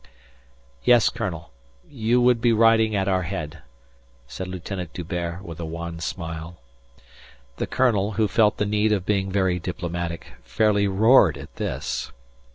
"Yes, colonel. You would be riding at our head," said Lieutenant D'Hubert with a wan smile. The colonel, who felt the need of being very diplomatic, fairly roared at this.